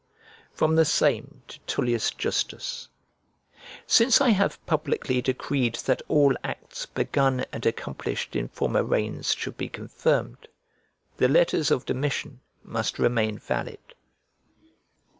FROM THE SAME TO TULLIUS JUSTUS "Since I have publicly decreed that all acts begun and accomplished in former reigns should be confirmed, the letters of Domitian must remain valid."